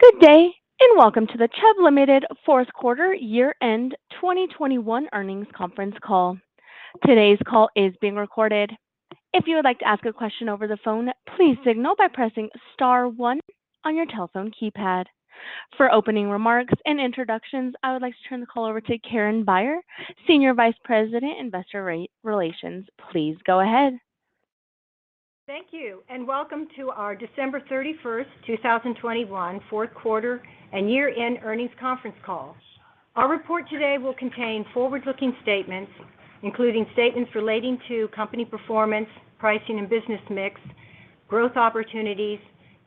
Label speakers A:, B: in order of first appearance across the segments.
A: Good day, and welcome to the Chubb Limited fourth quarter year-end 2021 earnings conference call. Today's call is being recorded. If you would like to ask a question over the phone, please signal by pressing star one on your telephone keypad. For opening remarks and introductions, I would like to turn the call over to Karen Beyer, Senior Vice President, Investor Relations. Please go ahead.
B: Thank you, and welcome to our December 31, 2021 fourth quarter and year-end earnings conference call. Our report today will contain forward-looking statements, including statements relating to company performance, pricing and business mix, growth opportunities,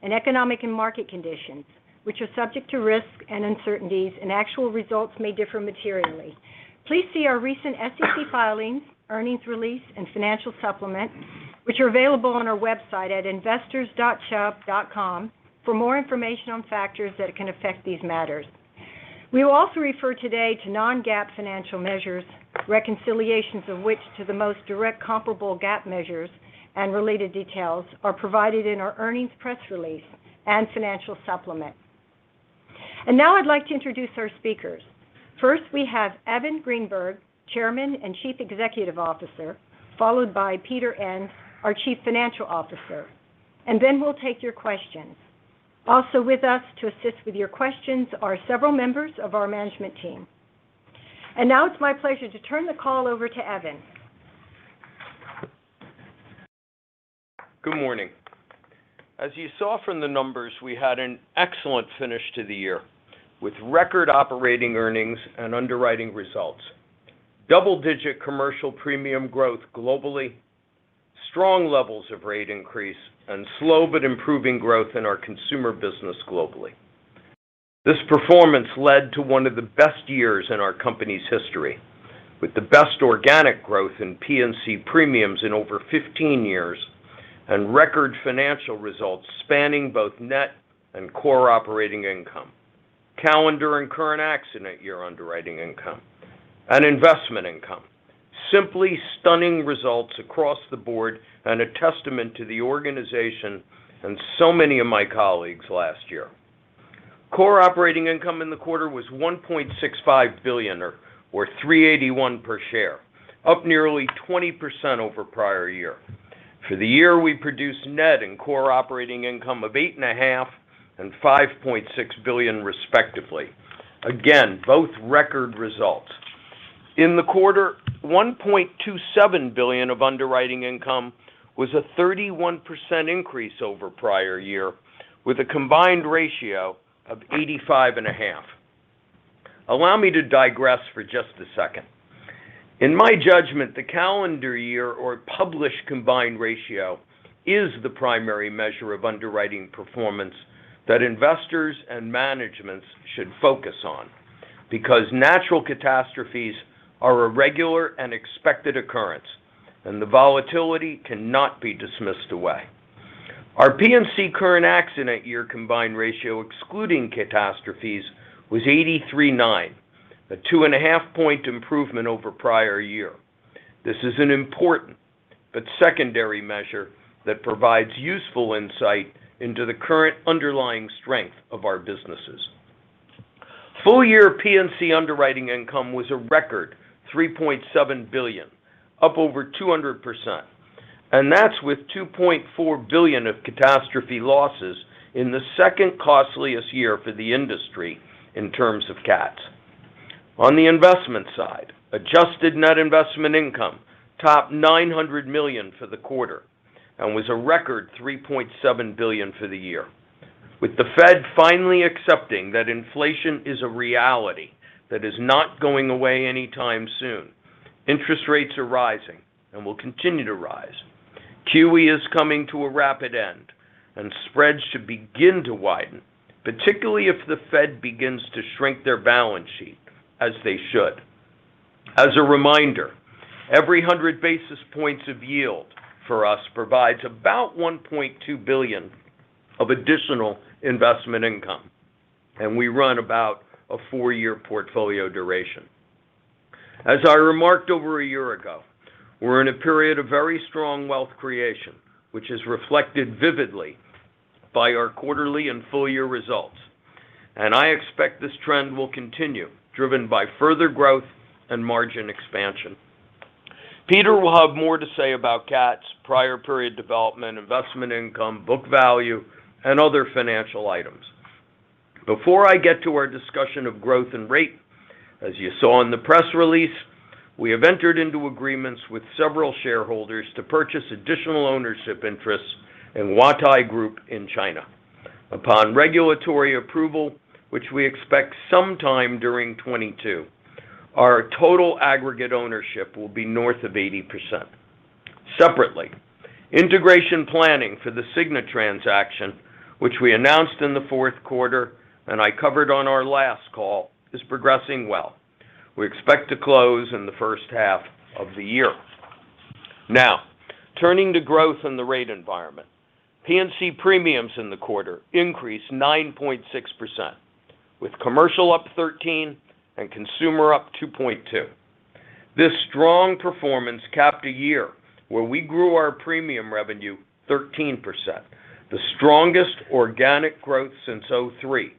B: and economic and market conditions, which are subject to risks and uncertainties, and actual results may differ materially. Please see our recent SEC filings, earnings release, and financial supplement, which are available on our website at investors.chubb.com for more information on factors that can affect these matters. We will also refer today to non-GAAP financial measures, reconciliations of which to the most direct comparable GAAP measures and related details are provided in our earnings press release and financial supplement. Now I'd like to introduce our speakers. First, we have Evan Greenberg, Chairman and Chief Executive Officer, followed by Peter Enns, our Chief Financial Officer. We'll take your questions. Also with us to assist with your questions are several members of our management team. Now it's my pleasure to turn the call over to Evan.
C: Good morning. As you saw from the numbers, we had an excellent finish to the year, with record operating earnings and underwriting results, double-digit commercial premium growth globally, strong levels of rate increase, and slow but improving growth in our consumer business globally. This performance led to one of the best years in our company's history, with the best organic growth in P&C premiums in over 15 years and record financial results spanning both net and core operating income, calendar and current accident year underwriting income, and investment income. Simply stunning results across the board and a testament to the organization and so many of my colleagues last year. Core operating income in the quarter was $1.65 billion or $3.81 per share, up nearly 20% over prior year. For the year, we produced net and core operating income of $8.5 billion and $5.6 billion, respectively. Again, both record results. In the quarter, $1.27 billion of underwriting income was a 31% increase over prior year, with a combined ratio of 85.5. Allow me to digress for just a second. In my judgment, the calendar year or published combined ratio is the primary measure of underwriting performance that investors and managements should focus on because natural catastrophes are a regular and expected occurrence, and the volatility cannot be dismissed away. Our P&C current accident year combined ratio excluding catastrophes was 83.9, a 2.5-point improvement over prior year. This is an important but secondary measure that provides useful insight into the current underlying strength of our businesses. Full year P&C underwriting income was a record $3.7 billion, up over 200%, and that's with $2.4 billion of catastrophe losses in the second costliest year for the industry in terms of cats. On the investment side, adjusted net investment income topped $900 million for the quarter and was a record $3.7 billion for the year. With the Fed finally accepting that inflation is a reality that is not going away anytime soon, interest rates are rising and will continue to rise. QE is coming to a rapid end and spreads should begin to widen, particularly if the Fed begins to shrink their balance sheet as they should. As a reminder, every 100 basis points of yield for us provides about $1.2 billion of additional investment income, and we run about a 4-year portfolio duration. As I remarked over a year ago, we're in a period of very strong wealth creation, which is reflected vividly by our quarterly and full year results, and I expect this trend will continue, driven by further growth and margin expansion. Peter will have more to say about cats, prior period development, investment income, book value, and other financial items. Before I get to our discussion of growth and rate, as you saw in the press release, we have entered into agreements with several shareholders to purchase additional ownership interests in Huatai Group in China. Upon regulatory approval, which we expect sometime during 2022, our total aggregate ownership will be north of 80%. Separately, integration planning for the Cigna transaction, which we announced in the fourth quarter and I covered on our last call, is progressing well. We expect to close in the first half of the year. Now, turning to growth in the rate environment. P&C premiums in the quarter increased 9.6%, with commercial up 13% and consumer up 2.2%. This strong performance capped a year where we grew our premium revenue 13%, the strongest organic growth since 2003,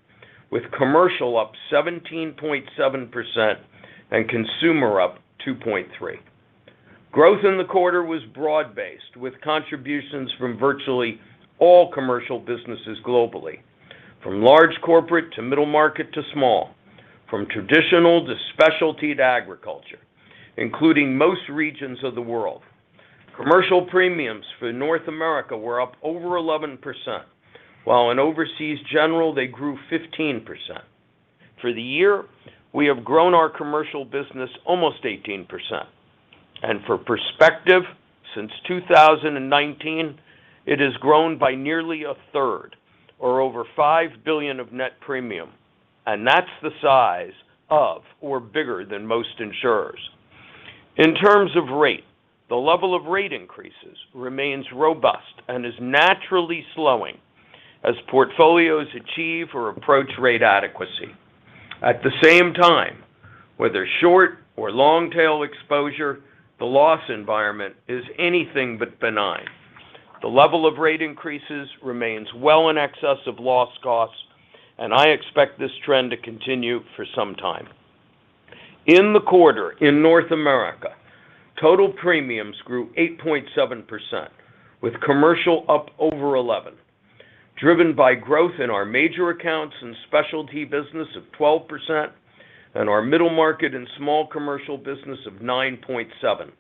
C: with commercial up 17.7% and consumer up 2.3%. Growth in the quarter was broad-based, with contributions from virtually all commercial businesses globally, from large corporate to middle market to small, from traditional to specialty to agriculture, including most regions of the world. Commercial premiums for North America were up over 11%, while in overseas general, they grew 15%. For the year, we have grown our commercial business almost 18%. For perspective, since 2019, it has grown by nearly a 1/3 or over $5 billion of net premium, and that's the size of or bigger than most insurers. In terms of rate, the level of rate increases remains robust and is naturally slowing as portfolios achieve or approach rate adequacy. At the same time, whether short or long-tail exposure, the loss environment is anything but benign. The level of rate increases remains well in excess of loss costs, and I expect this trend to continue for some time. In the quarter in North America, total premiums grew 8.7%, with commercial up over 11%, driven by growth in our major accounts and specialty business of 12% and our middle market and small commercial business of 9.7%.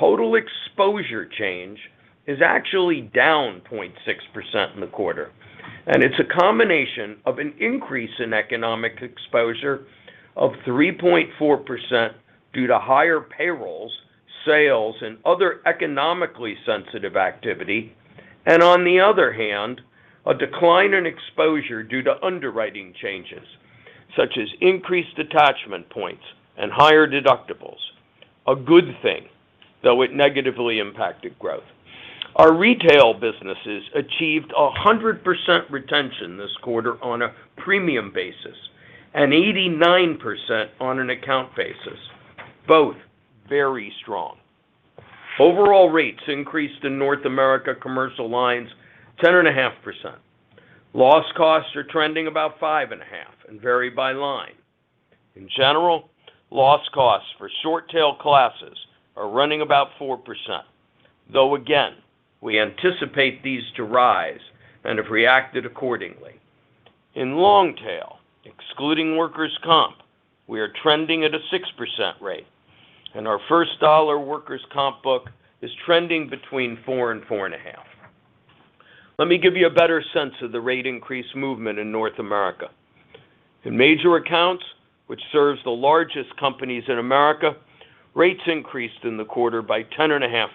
C: Total exposure change is actually down 0.6% in the quarter, and it's a combination of an increase in economic exposure of 3.4% due to higher payrolls, sales, and other economically sensitive activity and, on the other hand, a decline in exposure due to underwriting changes, such as increased attachment points and higher deductibles. A good thing, though it negatively impacted growth. Our retail businesses achieved 100% retention this quarter on a premium basis and 89% on an account basis. Both very strong. Overall rates increased in North America Commercial Lines 10.5%. Loss costs are trending about 5.5% and vary by line. In general, loss costs for short-tail classes are running about 4%, though again, we anticipate these to rise and have reacted accordingly. In long-tail, excluding workers' comp, we are trending at a 6% rate, and our first dollar workers' comp book is trending between 4% and 4.5%. Let me give you a better sense of the rate increase movement in North America. In major accounts, which serves the largest companies in America, rates increased in the quarter by 10.5%.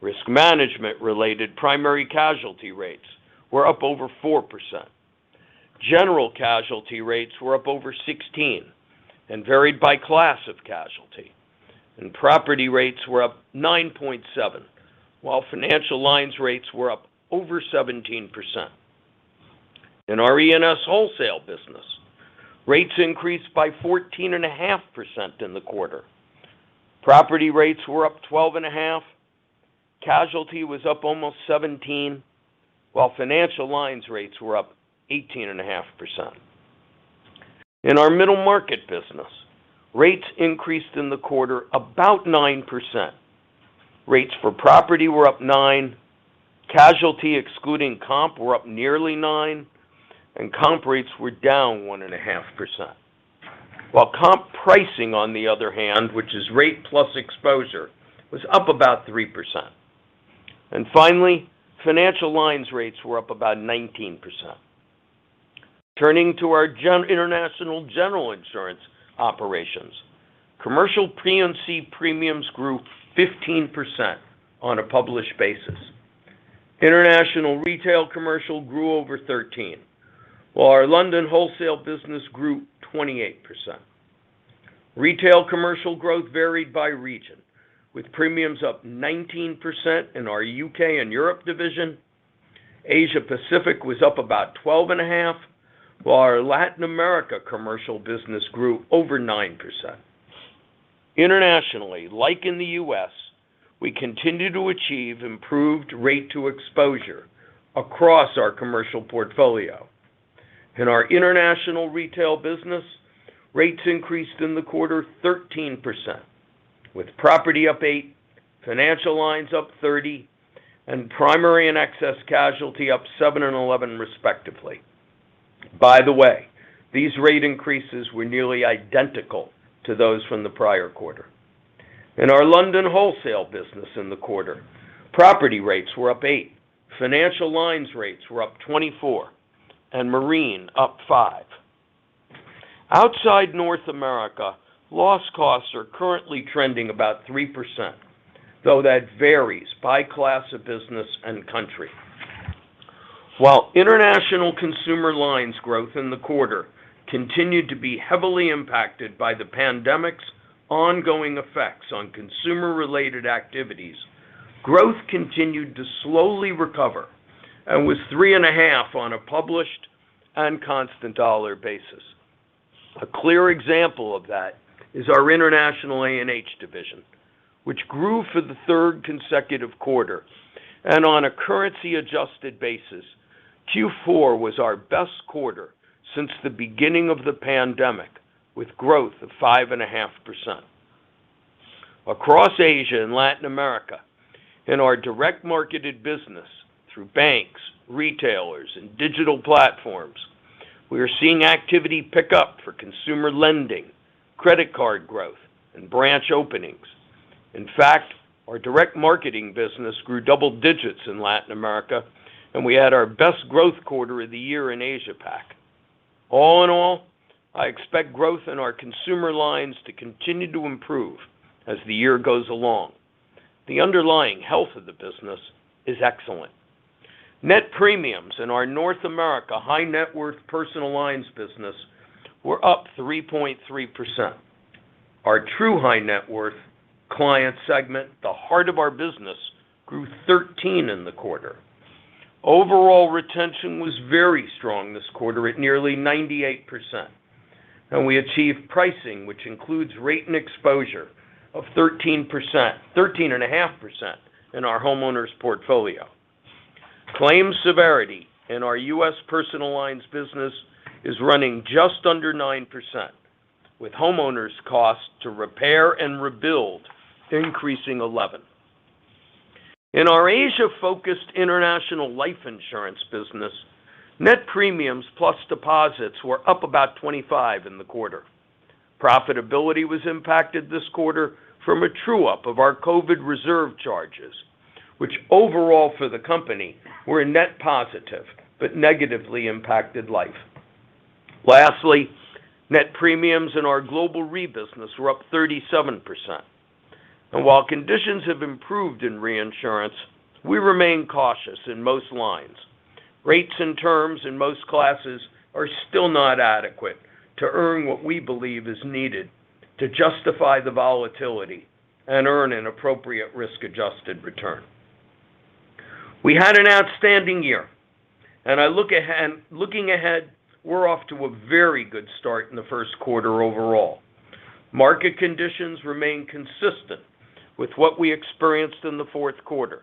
C: Risk management-related primary casualty rates were up over 4%. General casualty rates were up over 16% and varied by class of casualty. Property rates were up 9.7%, while financial lines rates were up over 17%. In our E&S wholesale business, rates increased by 14.5% in the quarter. Property rates were up 12.5%. Casualty was up almost 17%, while financial lines rates were up 18.5%. In our middle market business, rates increased in the quarter about 9%. Rates for property were up 9%. Casualty, excluding comp, were up nearly 9%, and comp rates were down 1.5%. While comp pricing, on the other hand, which is rate plus exposure, was up about 3%. Finally, financial lines rates were up about 19%. Turning to our international general insurance operations, commercial P&C premiums grew 15% on a published basis. International retail commercial grew over 13%, while our London wholesale business grew 28%. Retail commercial growth varied by region, with premiums up 19% in our U.K. and Europe division. Asia Pacific was up about 12.5%, while our Latin America commercial business grew over 9%. Internationally, like in the U.S., we continue to achieve improved rate to exposure across our commercial portfolio. In our international retail business, rates increased in the quarter 13%, with property up 8%, financial lines up 30%, and primary and excess casualty up 7% and 11% respectively. By the way, these rate increases were nearly identical to those from the prior quarter. In our London wholesale business in the quarter, property rates were up 8%, financial lines rates were up 24%, and marine up 5%. Outside North America, loss costs are currently trending about 3%, though that varies by class of business and country. While international consumer lines growth in the quarter continued to be heavily impacted by the pandemic's ongoing effects on consumer-related activities, growth continued to slowly recover and was 3.5% on a published and constant dollar basis. A clear example of that is our international A&H division, which grew for the third consecutive quarter. On a currency-adjusted basis, Q4 was our best quarter since the beginning of the pandemic, with growth of 5.5%. Across Asia and Latin America, in our direct marketed business through banks, retailers, and digital platforms, we are seeing activity pick up for consumer lending, credit card growth, and branch openings. In fact, our direct marketing business grew double digits in Latin America, and we had our best growth quarter of the year in Asia Pac. All in all, I expect growth in our consumer lines to continue to improve as the year goes along. The underlying health of the business is excellent. Net premiums in our North America high net worth personal lines business were up 3.3%. Our true high net worth client segment, the heart of our business, grew 13% in the quarter. Overall retention was very strong this quarter at nearly 98%, and we achieved pricing which includes rate and exposure of 13%-13.5% in our homeowners portfolio. Claims severity in our U.S. personal lines business is running just under 9%, with homeowners cost to repair and rebuild increasing 11%. In our Asia-focused international life insurance business, net premiums plus deposits were up about 25% in the quarter. Profitability was impacted this quarter from a true-up of our COVID reserve charges, which overall for the company were a net positive but negatively impacted life. Lastly, net premiums in our global re-business were up 37%. While conditions have improved in reinsurance, we remain cautious in most lines. Rates and terms in most classes are still not adequate to earn what we believe is needed to justify the volatility and earn an appropriate risk-adjusted return. We had an outstanding year, and looking ahead, we're off to a very good start in the first quarter overall. Market conditions remain consistent with what we experienced in the fourth quarter.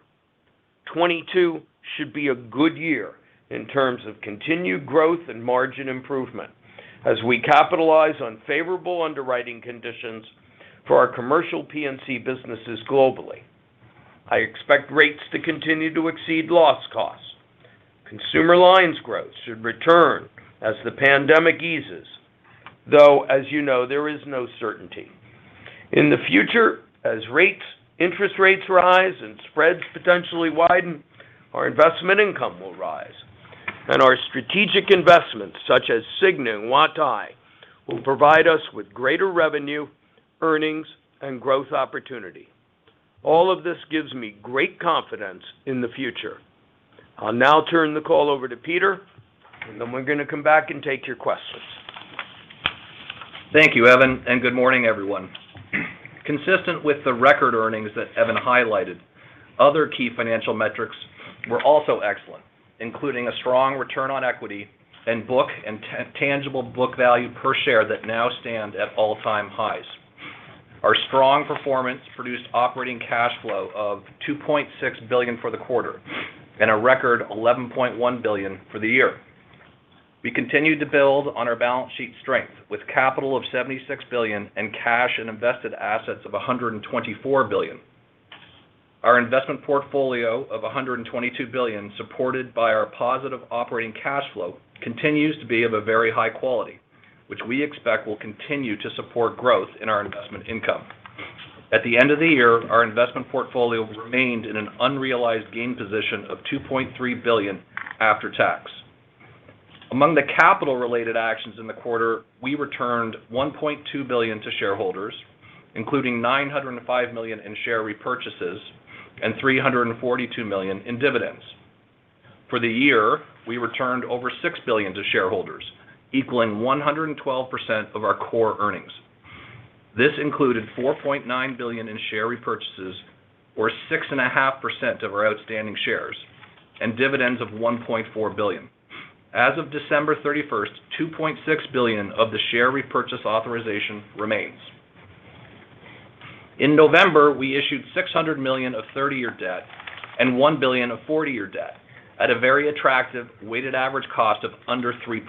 C: 2022 should be a good year in terms of continued growth and margin improvement as we capitalize on favorable underwriting conditions for our commercial P&C businesses globally. I expect rates to continue to exceed loss costs. Consumer lines growth should return as the pandemic eases, though, as you know, there is no certainty. In the future, as interest rates rise and spreads potentially widen, our investment income will rise, and our strategic investments, such as Cigna and Huatai, will provide us with greater revenue, earnings, and growth opportunity. All of this gives me great confidence in the future. I'll now turn the call over to Peter, and then we're going to come back and take your questions.
D: Thank you, Evan, and good morning, everyone. Consistent with the record earnings that Evan highlighted, other key financial metrics were also excellent, including a strong return on equity and book and tangible book value per share that now stand at all-time highs. Our strong performance produced operating cash flow of $2.6 billion for the quarter and a record $11.1 billion for the year. We continued to build on our balance sheet strength with capital of $76 billion and cash and invested assets of $124 billion. Our investment portfolio of $122 billion, supported by our positive operating cash flow, continues to be of a very high quality, which we expect will continue to support growth in our investment income. At the end of the year, our investment portfolio remained in an unrealized gain position of $2.3 billion after tax. Among the capital-related actions in the quarter, we returned $1.2 billion to shareholders, including $905 million in share repurchases and $342 million in dividends. For the year, we returned over $6 billion to shareholders, equaling 112% of our core earnings. This included $4.9 billion in share repurchases or 6.5% of our outstanding shares and dividends of $1.4 billion. As of December 31, $2.6 billion of the share repurchase authorization remains. In November, we issued $600 million of 30-year debt and $1 billion of 40-year debt at a very attractive weighted average cost of under 3%.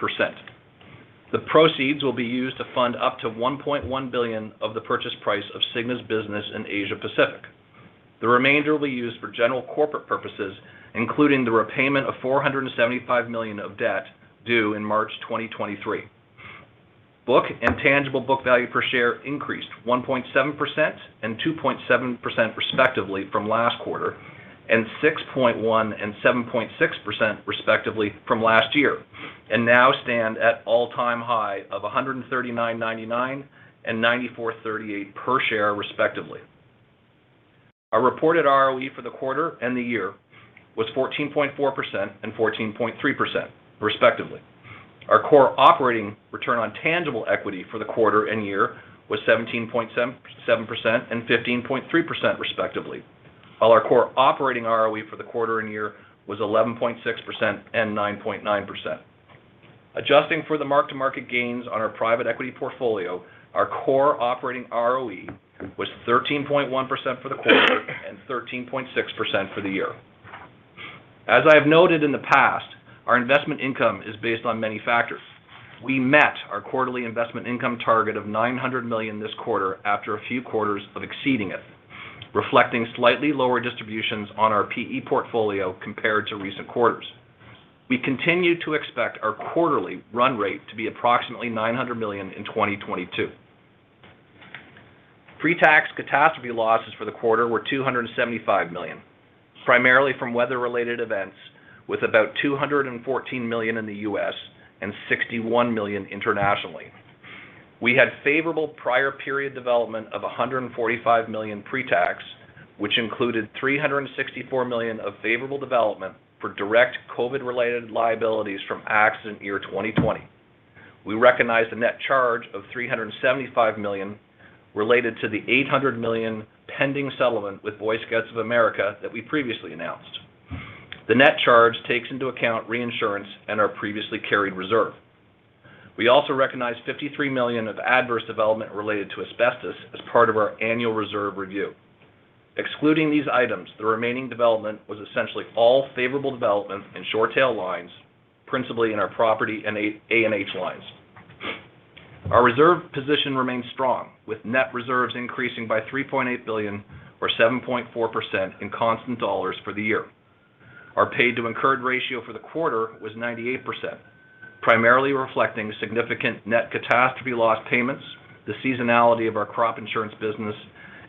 D: The proceeds will be used to fund up to $1.1 billion of the purchase price of Cigna's business in Asia Pacific. The remainder will be used for general corporate purposes, including the repayment of $475 million of debt due in March 2023. Book and tangible book value per share increased 1.7% and 2.7% respectively from last quarter and 6.1% and 7.6% respectively from last year, and now stand at all-time high of 139.99 and 94.38 per share, respectively. Our reported ROE for the quarter and the year was 14.4% and 14.3%, respectively. Our core operating return on tangible equity for the quarter and year was 17.77% and 15.3% respectively. While our core operating ROE for the quarter and year was 11.6% and 9.9%. Adjusting for the mark-to-market gains on our private equity portfolio, our core operating ROE was 13.1% for the quarter and 13.6% for the year. As I have noted in the past, our investment income is based on many factors. We met our quarterly investment income target of $900 million this quarter after a few quarters of exceeding it, reflecting slightly lower distributions on our PE portfolio compared to recent quarters. We continue to expect our quarterly run rate to be approximately $900 million in 2022. Pre-tax catastrophe losses for the quarter were $275 million, primarily from weather-related events, with about $214 million in the U.S. and $61 million internationally. We had favorable prior period development of $145 million pre-tax, which included $364 million of favorable development for direct COVID-related liabilities from accident year 2020. We recognized a net charge of $375 million related to the $800 million pending settlement with Boy Scouts of America that we previously announced. The net charge takes into account reinsurance and our previously carried reserve. We also recognized $53 million of adverse development related to asbestos as part of our annual reserve review. Excluding these items, the remaining development was essentially all favorable development in short tail lines, principally in our property and A&H lines. Our reserve position remains strong, with net reserves increasing by $3.8 billion or 7.4% in constant dollars for the year. Our paid to incurred ratio for the quarter was 98%, primarily reflecting significant net catastrophe loss payments, the seasonality of our crop insurance business,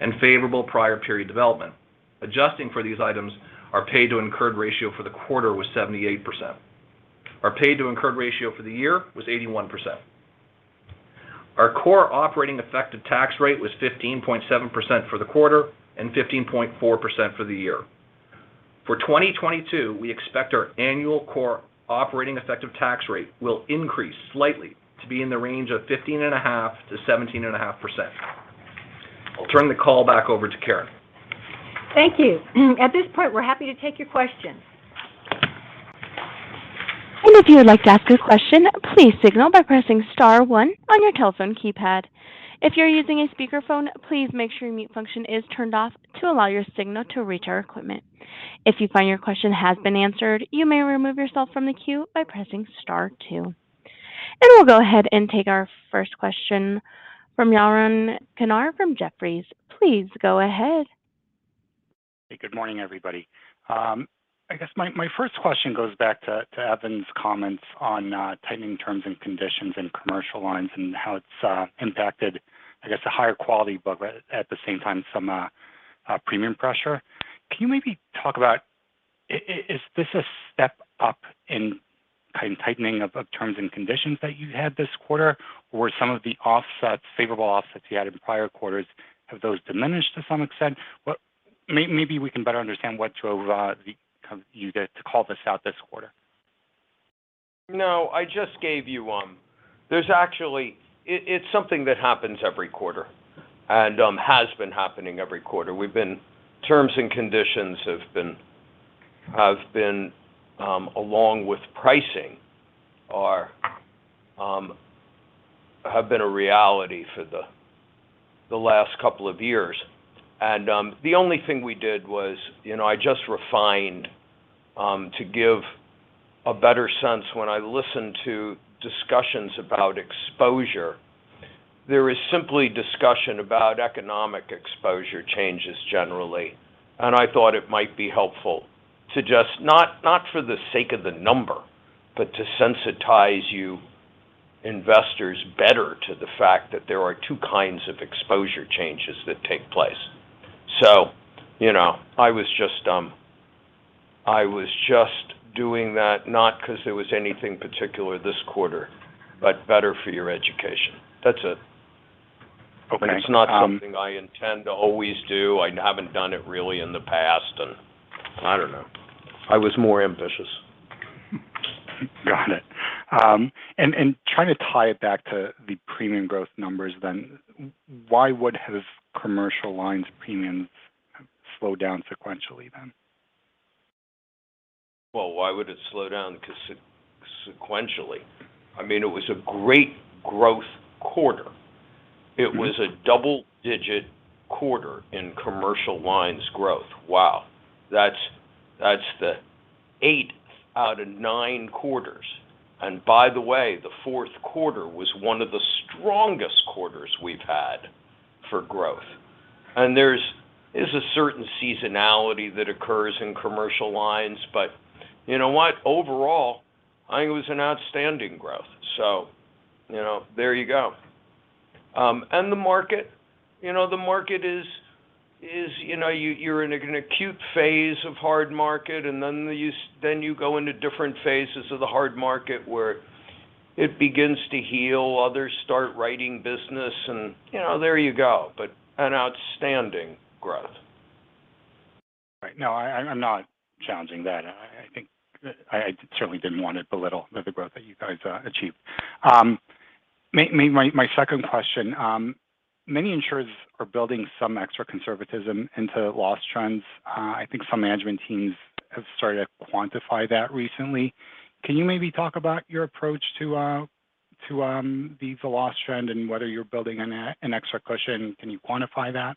D: and favorable prior period development. Adjusting for these items, our paid to incurred ratio for the quarter was 78%. Our paid to incurred ratio for the year was 81%. Our core operating effective tax rate was 15.7% for the quarter and 15.4% for the year. For 2022, we expect our annual core operating effective tax rate will increase slightly to be in the range of 15.5%-17.5%. I'll turn the call back over to Karen.
B: Thank you. At this point, we're happy to take your questions.
A: If you would like to ask a question, please signal by pressing star one on your telephone keypad. If you're using a speakerphone, please make sure your mute function is turned off to allow your signal to reach our equipment. If you find your question has been answered, you may remove yourself from the queue by pressing star two. We'll go ahead and take our first question from Yaron Kinar from Jefferies. Please go ahead.
E: Hey, good morning, everybody. I guess my first question goes back to Evan's comments on tightening terms and conditions in commercial lines and how it's impacted, I guess a higher quality but at the same time some premium pressure. Can you maybe talk about is this a step up in tightening of terms and conditions that you had this quarter or some of the offsets, favorable offsets you had in prior quarters, have those diminished to some extent? Maybe we can better understand what drove you to call this out this quarter.
D: No, I just gave you one. There's actually it's something that happens every quarter and has been happening every quarter. Terms and conditions have been along with pricing have been a reality for the last couple of years. The only thing we did was, I just refined to give a better sense when I listen to discussions about exposure. There is simply discussion about economic exposure changes generally. I thought it might be helpful to just not for the sake of the number, but to sensitize you investors better to the fact that there are two kinds of exposure changes that take place. I was just doing that not 'cause there was anything particular this quarter, but better for your education. That's it.
E: Okay.
D: It's not something I intend to always do. I haven't done it really in the past, and I don't know, I was more ambitious.
E: Got it. Trying to tie it back to the premium growth numbers then, why would have commercial lines premiums slow down sequentially then?
D: Well, why would it slow down sequentially? I mean, it was a great growth quarter. It was a double-digit quarter in commercial lines growth. Wow. That's the eight out of nine quarters. By the way, the fourth quarter was one of the strongest quarters we've had for growth. There's a certain seasonality that occurs in commercial lines. You know what? Overall, I think it was an outstanding growth. There you go. The market, you know, the market is you're in an acute phase of hard market, and then you go into different phases of the hard market where it begins to heal, others start writing business and there you go, but an outstanding growth.
E: Right. No, I'm not challenging that. I think that I certainly didn't want to belittle the growth that you guys achieved. My second question. Many insurers are building some extra conservatism into loss trends. I think some management teams have started to quantify that recently. Can you maybe talk about your approach to the loss trend and whether you're building an extra cushion? Can you quantify that?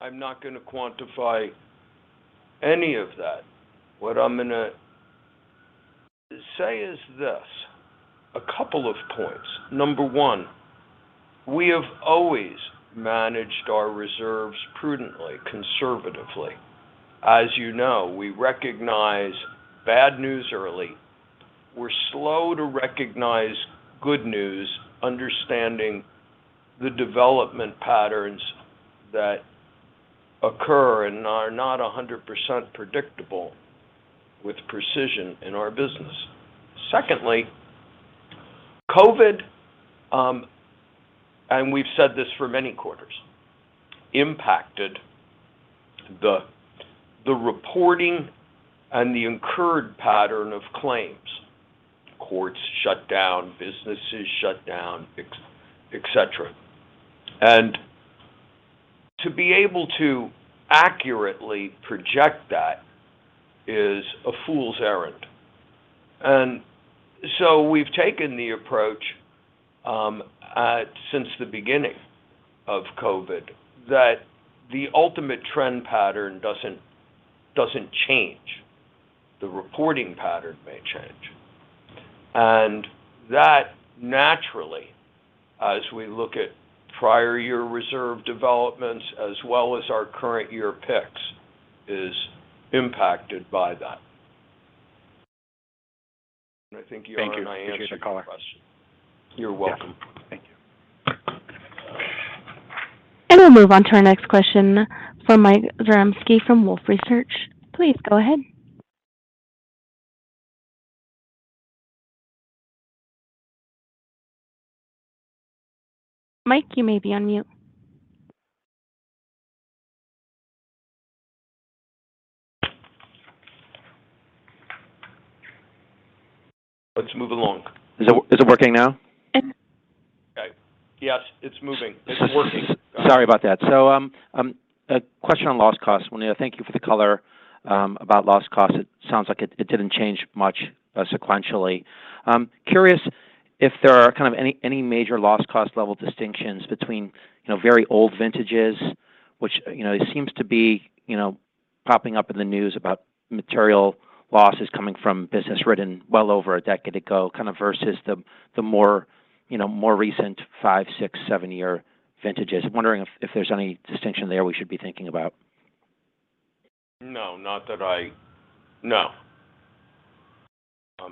C: I'm not gonna quantify any of that. What I'm gonna say is this, a couple of points. Number one, we have always managed our reserves prudently, conservatively. As you know, we recognize bad news early. We're slow to recognize good news, understanding the development patterns that occur and are not 100% predictable with precision in our business. Secondly, COVID and we've said this for many quarters, impacted the reporting and the incurred pattern of claims. Courts shut down, businesses shut down, et cetera. To be able to accurately project that is a fool's errand. We've taken the approach since the beginning of COVID, that the ultimate trend pattern doesn't change. The reporting pattern may change. That naturally, as we look at prior year reserve developments as well as our current year picks, is impacted by that.
E: Thank you.
C: I think you heard my answer to your question.
E: Appreciate the color.
C: You're welcome.
E: Yeah. Thank you.
A: We'll move on to our next question from Mike Zaremski from Wolfe Research. Please go ahead. Mike, you may be on mute.
C: Let's move along.
F: Is it working now?
A: It-
C: Okay. Yes, it's moving. It's working.
F: Sorry about that. A question on loss cost. Well, thank you for the color about loss cost. It sounds like it didn't change much sequentially. I'm curious if there are kind of any major loss cost level distinctions between, you know, very old vintages, which, you know, it seems to be, you know, popping up in the news about material losses coming from business written well over a decade ago, kind of versus the more, you know, more recent five, six, seven-year vintages. I'm wondering if there's any distinction there we should be thinking about.
C: No.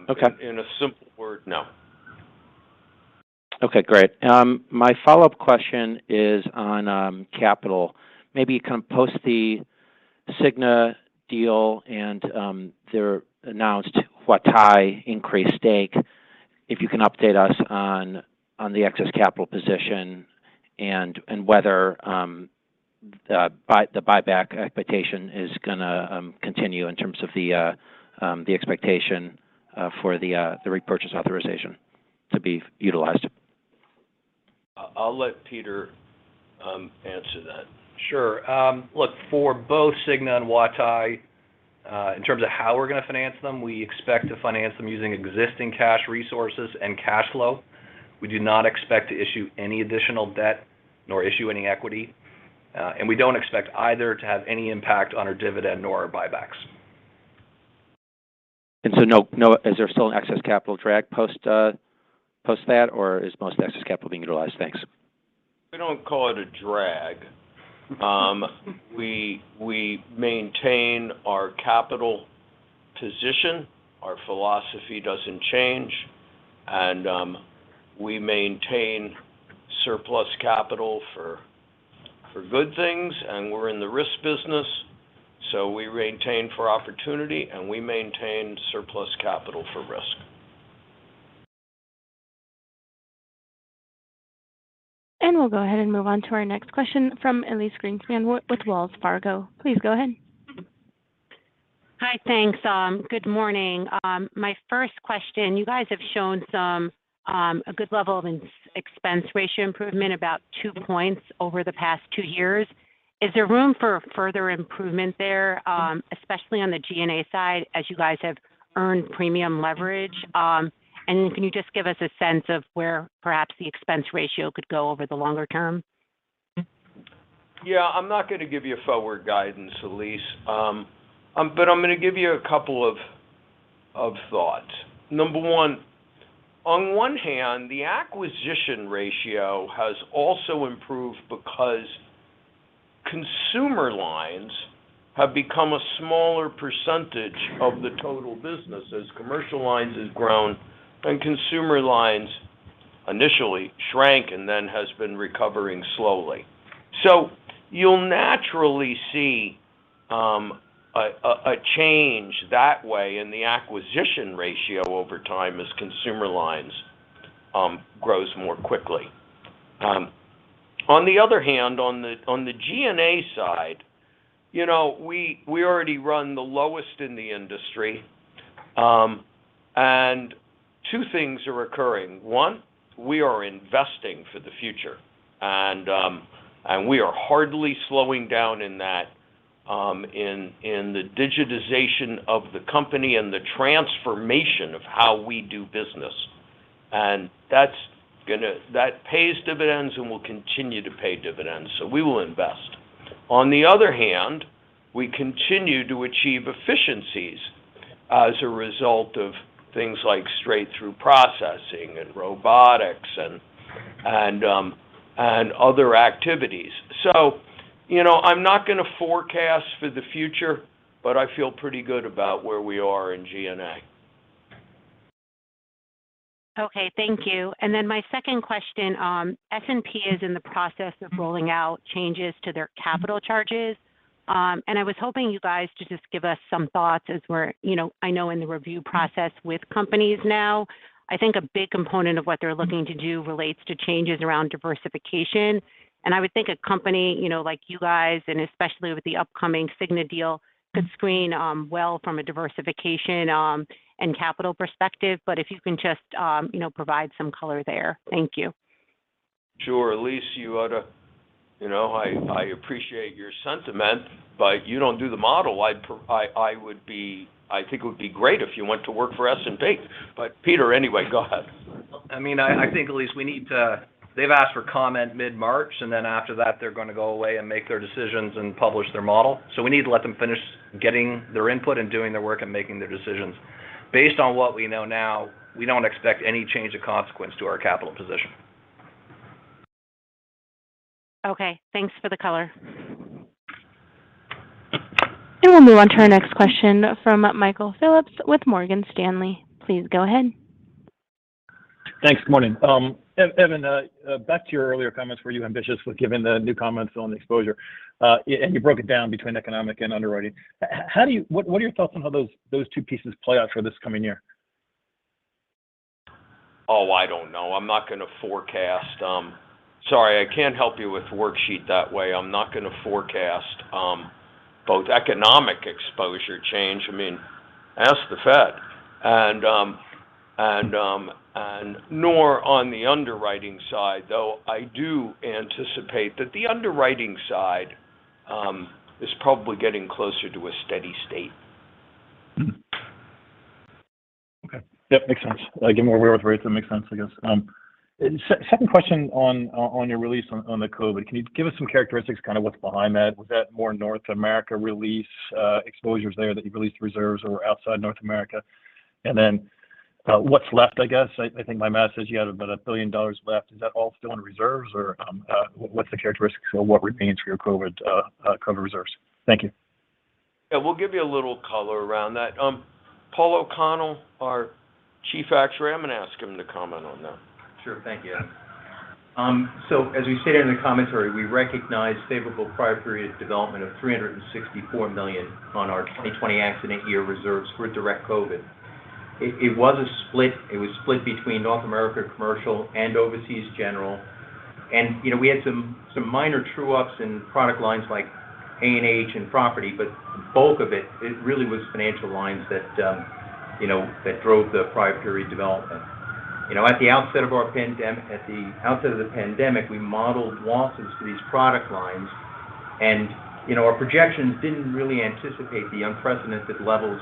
F: Okay.
C: In a simple word, no.
F: Okay, great. My follow-up question is on capital. Maybe you can post the Cigna deal and their announced Huatai increased stake, if you can update us on the excess capital position and whether the buyback expectation is gonna continue in terms of the expectation for the repurchase authorization to be utilized.
C: I'll let Peter answer that.
D: Sure. Look, for both Cigna and Huatai, in terms of how we're gonna finance them, we expect to finance them using existing cash resources and cash flow. We do not expect to issue any additional debt nor issue any equity, and we don't expect either to have any impact on our dividend nor our buybacks.
F: No. Is there still an excess capital drag post that? Or is most excess capital being utilized? Thanks.
C: We don't call it a drag. We maintain our capital position. Our philosophy doesn't change, and we maintain surplus capital for good things, and we're in the risk business, so we maintain for opportunity, and we maintain surplus capital for risk.
A: We'll go ahead and move on to our next question from Elyse Greenspan with Wells Fargo. Please go ahead.
G: Hi. Thanks. Good morning. My first question, you guys have shown some a good level of expense ratio improvement about two points over the past two years. Is there room for further improvement there, especially on the G&A side, as you guys have earned premium leverage? Can you just give us a sense of where perhaps the expense ratio could go over the longer-term?
C: Yeah. I'm not going to give you forward guidance, Elyse, but I'm going to give you a couple of thoughts. Number one, on one hand, the acquisition ratio has also improved because consumer lines have become a smaller percentage of the total business as commercial lines has grown and consumer lines initially shrank and then has been recovering slowly. You'll naturally see a change that way in the acquisition ratio over time as consumer lines grows more quickly. On the other hand, on the G&A side, you know, we already run the lowest in the industry. Two things are occurring. One, we are investing for the future, and we are hardly slowing down in that, in the digitization of the company and the transformation of how we do business. That's gonna. That pays dividends and will continue to pay dividends. We will invest. On the other hand, we continue to achieve efficiencies as a result of things like straight-through processing and robotics and other activities. I'm not gonna forecast for the future, but I feel pretty good about where we are in G&A.
G: Okay, thank you. My second question, S&P is in the process of rolling out changes to their capital charges. I was hoping you guys to just give us some thoughts as we're, you know, I know in the review process with companies now. I think a big component of what they're looking to do relates to changes around diversification. I would think a company like you guys, and especially with the upcoming Cigna deal, could screen well from a diversification and capital perspective. If you can just provide some color there. Thank you.
C: Sure. Elyse, you ought to. You know, I appreciate your sentiment, but you don't do the model. I would be. I think it would be great if you went to work for S&P. Peter, anyway, go ahead.
D: I mean, I think, Elyse, we need to. They've asked for comment mid-March, and then after that they're gonna go away and make their decisions and publish their model. We need to let them finish getting their input and doing their work and making their decisions. Based on what we know now, we don't expect any change of consequence to our capital position.
G: Okay. Thanks for the color.
A: We'll move on to our next question from Michael Phillips with Morgan Stanley. Please go ahead.
H: Thanks. Good morning. Evan, back to your earlier comments where you have given the new comments on the exposure, and you broke it down between economic and underwriting. What are your thoughts on how those two pieces play out for this coming year?
C: Oh, I don't know. I'm not gonna forecast. Sorry, I can't help you with worksheet that way. I'm not gonna forecast both economic exposure change, I mean, ask the Fed, and nor on the underwriting side, though I do anticipate that the underwriting side is probably getting closer to a steady state.
H: Okay. Yep, makes sense. Again, more aware with rates, that makes sense, I guess. Second question on your release on the COVID. Can you give us some characteristics, kind of what's behind that? Was that more North America release, exposures there that you released reserves or outside North America? Then, what's left, I guess? I think my math says you have about $1 billion left. Is that all still in reserves or, what's the characteristics of what remains for your COVID reserves? Thank you.
C: Yeah, we'll give you a little color around that. Paul O'Connell, our Chief Actuary, I'm gonna ask him to comment on that.
I: Sure. Thank you. As we stated in the commentary, we recognize favorable prior period development of $364 million on our 2020 accident year reserves for direct COVID. It was a split between North America Commercial and Overseas General. We had some minor true ups in product lines like A&H and Property, but the bulk of it really was financial lines that drove the prior period development. At the outset of the pandemic, we modeled losses to these product lines. Our projections didn't really anticipate the unprecedented levels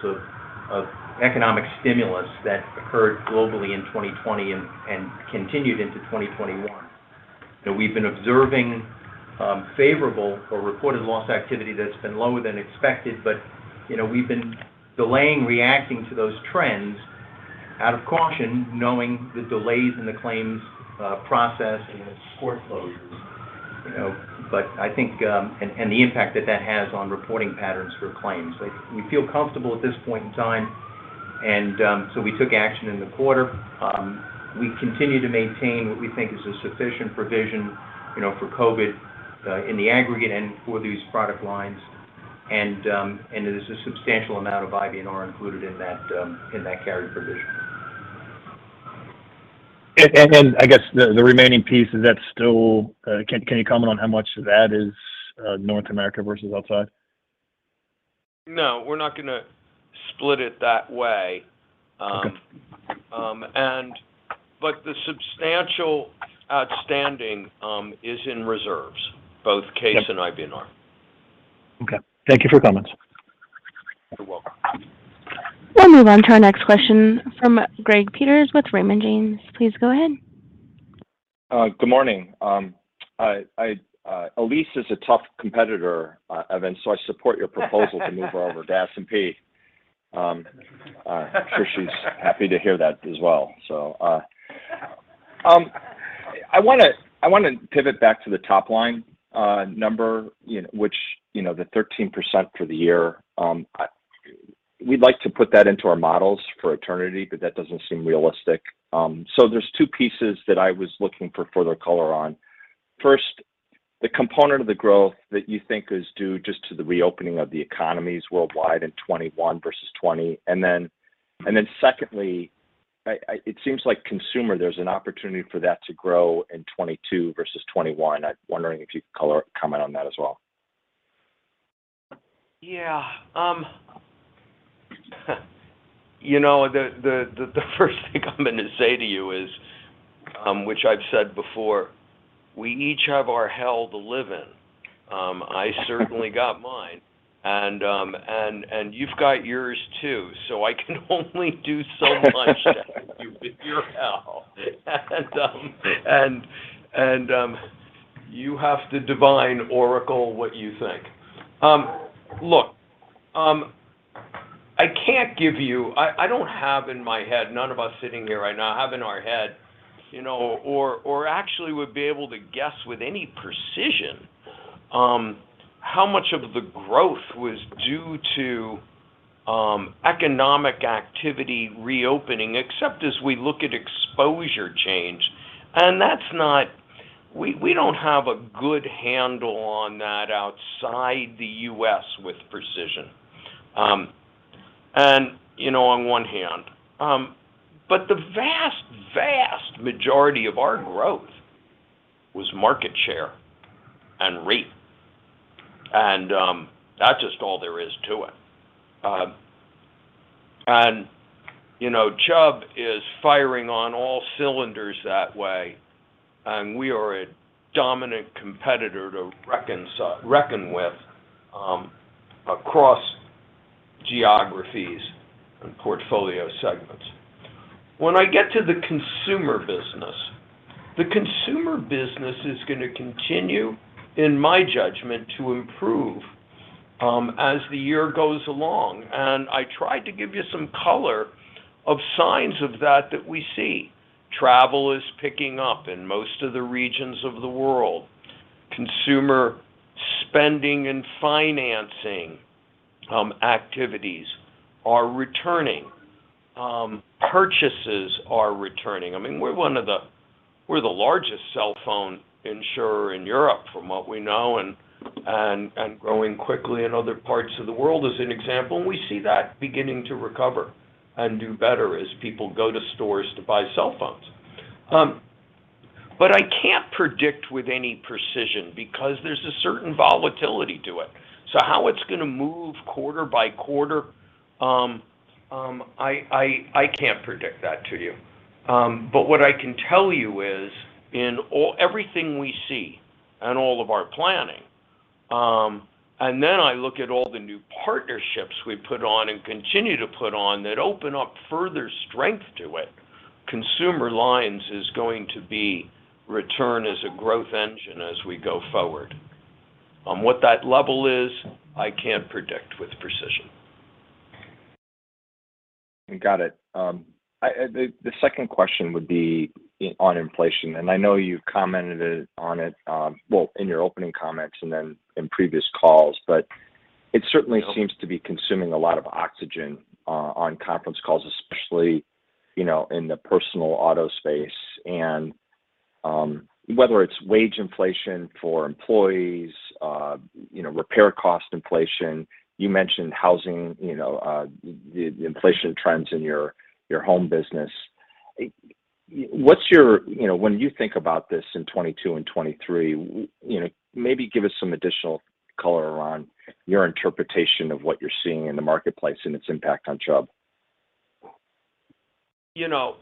I: of economic stimulus that occurred globally in 2020 and continued into 2021. We've been observing favorable or reported loss activity that's been lower than expected. You know, we've been delaying reacting to those trends out of caution, knowing the delays in the claims process and the court closures, but I think and the impact that that has on reporting patterns for claims. Like, we feel comfortable at this point in time, and so we took action in the quarter. We continue to maintain what we think is a sufficient provision, for COVID in the aggregate and for these product lines, and it is a substantial amount of IBNR included in that carry provision.
H: I guess the remaining piece is that still can you comment on how much of that is North America versus outside?
C: No, we're not gonna split it that way.
H: Okay.
C: The substantial outstanding is in reserves, both CASE and IBNR.
H: Okay. Thank you for your comments.
C: You're welcome.
A: We'll move on to our next question from Greg Peters with Raymond James. Please go ahead.
J: Good morning. Elyse is a tough competitor, Evan, so I support your proposal to move her over to S&P. I'm sure she's happy to hear that as well. I want to pivot back to the top line number, you know, which, the 13% for the year. We'd like to put that into our models for eternity, but that doesn't seem realistic. There's two pieces that I was looking for further color on. First, the component of the growth that you think is due just to the reopening of the economies worldwide in 2021 versus 2020. Then secondly, it seems like consumer, there's an opportunity for that to grow in 2022 versus 2021. I'm wondering if you could color commentary on that as well.
C: Yeah. The first thing I'm going to say to you is, which I've said before, we each have our hell to live in. I certainly got mine. You've got yours too, so I can only do so much to help you with your hell. You have to divine or a call what you think. Look, I can't give you. I don't have in my head, none of us sitting here right now have in our head or actually would be able to guess with any precision, how much of the growth was due to economic activity reopening, except as we look at exposure change. We don't have a good handle on that outside the U.S. with precision. You know, on one hand. The vast majority of our growth was market share and rate. That's just all there is to it. Chubb is firing on all cylinders that way, and we are a dominant competitor to reckon with across geographies and portfolio segments. When I get to the consumer business, the consumer business is gonna continue, in my judgment, to improve as the year goes along. I tried to give you some color on signs of that we see. Travel is picking up in most of the regions of the world. Consumer spending and financing activities are returning. Purchases are returning. I mean, we're one of the... We're the largest cell phone insurer in Europe, from what we know, and growing quickly in other parts of the world, as an example. We see that beginning to recover and do better as people go to stores to buy cell phones. I can't predict with any precision because there's a certain volatility to it. How it's going to move quarter by quarter, I can't predict that to you. What I can tell you is, in all, everything we see on all of our planning, and then I look at all the new partnerships we put on and continue to put on that open up further strength to it, consumer lines is going to be return as a growth engine as we go forward. What that level is, I can't predict with precision.
J: Got it. The second question would be on inflation, and I know you've commented on it in your opening comments and then in previous calls. It certainly seems to be consuming a lot of oxygen on conference calls, especially in the personal auto space. Whether it's wage inflation for employees, you know, repair cost inflation. You mentioned housing, the inflation trends in your home business. What's your... You know, when you think about this in 2022 and 2023 maybe give us some additional color around your interpretation of what you're seeing in the marketplace and its impact on Chubb.
C: It's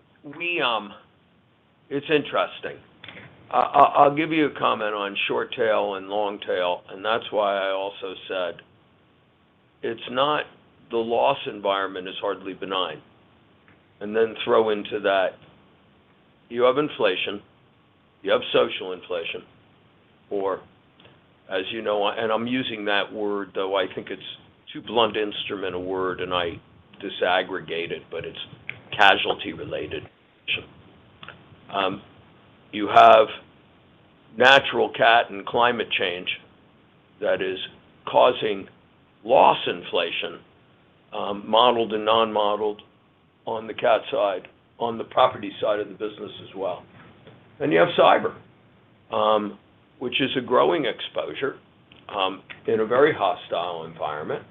C: interesting. I'll give you a comment on short tail and long tail, and that's why I also said it's not the loss environment is hardly benign. Throw into that, you have inflation, you have social inflation, or as you know, and I'm using that word, though I think it's too blunt instrument a word and I disaggregate it, but it's casualty related. You have natural cat and climate change that is causing loss inflation, modeled and non-modeled on the cat side, on the property side of the business as well. You have cyber, which is a growing exposure, in a very hostile environment,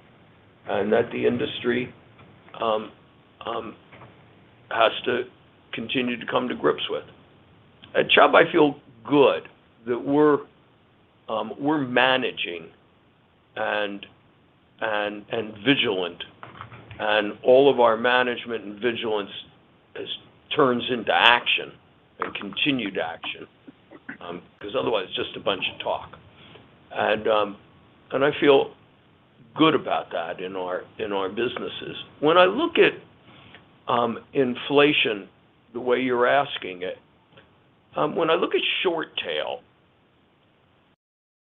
C: and that the industry has to continue to come to grips with. At Chubb, I feel good that we're managing and vigilant, and all of our management and vigilance turns into action and continued action. 'Cause otherwise, it's just a bunch of talk. I feel good about that in our businesses. When I look at inflation the way you're asking it, when I look at short tail,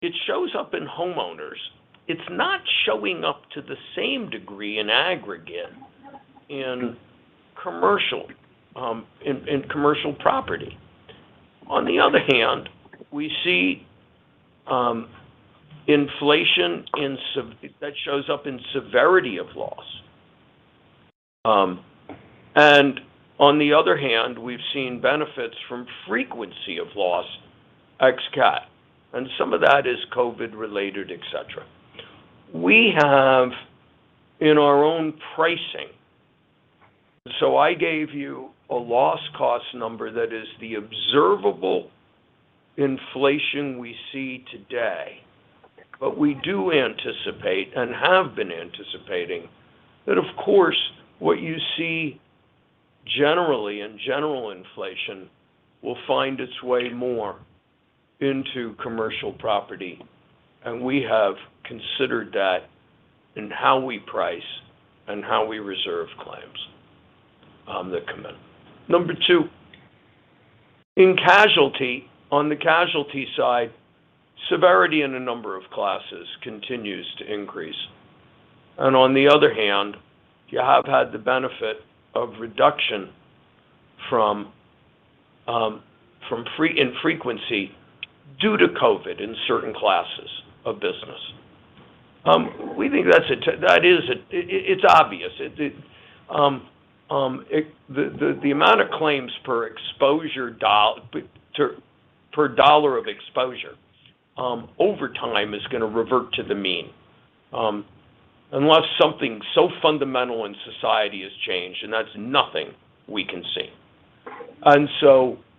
C: it shows up in homeowners. It's not showing up to the same degree in aggregate in commercial property. On the other hand, we see inflation in severity that shows up in severity of loss. On the other hand, we've seen benefits from frequency of loss, ex cat, and some of that is COVID-related, et cetera. We have in our own pricing... I gave you a loss cost number that is the observable inflation we see today. We do anticipate and have been anticipating that, of course, what you see generally in general inflation will find its way more into commercial property. We have considered that in how we price and how we reserve claims that come in. Number two, in casualty, on the casualty side, severity in a number of classes continues to increase. On the other hand, you have had the benefit of reduction from frequency due to COVID in certain classes of business. We think that's temporary. It's obvious. The amount of claims per dollar of exposure over time is going to revert to the mean unless something so fundamental in society has changed, and that's nothing we can see.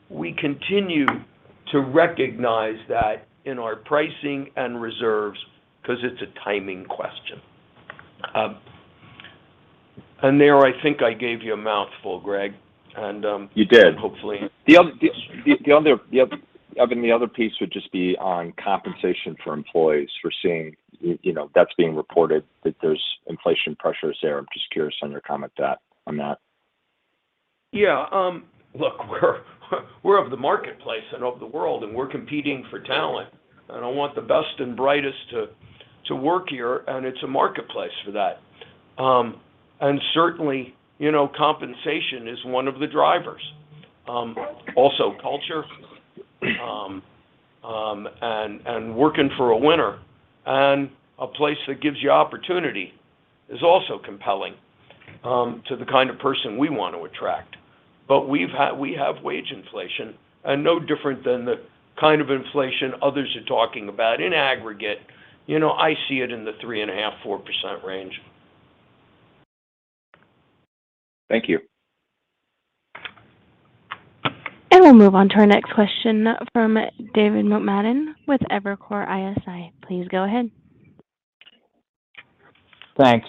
C: We continue to recognize that in our pricing and reserves because it's a timing question. I think I gave you a mouthful, Greg.
J: You did.
C: Hopefully.
J: The other piece would just be on compensation for employees. We're seeing that's being reported that there's inflation pressures there. I'm just curious on your comment on that.
C: Yeah. Look, we're of the marketplace and of the world, and we're competing for talent. I want the best and brightest to work here, and it's a marketplace for that. Certainly, compensation is one of the drivers. Also culture, and working for a winner and a place that gives you opportunity is also compelling to the kind of person we want to attract. We have wage inflation no different than the kind of inflation others are talking about in aggregate. You know, I see it in the 3.5%-4% range.
J: Thank you.
A: We'll move on to our next question from David Motemaden with Evercore ISI. Please go ahead.
K: Thanks.